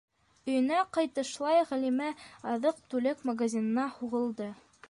Өйөнә ҡайтышлай Ғәлимә аҙыҡ-түлек магазинына һуғылды.